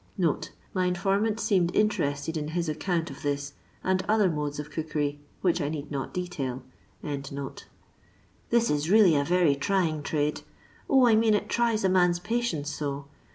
[My infor mant seemed interested in his account of this and other modes of cookery, which I need not detail.] " This is really a very trying trade. 0, I mean it tries a man's patience so.